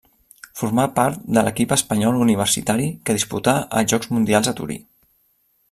Formà part de l'equip espanyol universitari que disputà els Jocs Mundials a Torí.